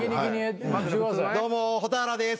どうも蛍原です。